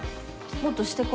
もっとしてこ。